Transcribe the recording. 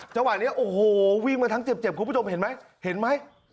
จังหวะนี้โอ้โหวิ่งมาทั้งเจ็บคุณผู้ชมเห็นไหมเห็นไหม